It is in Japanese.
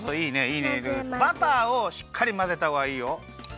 バターをしっかりまぜたほうがいいよ。